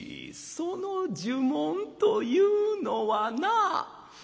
その呪文というのはな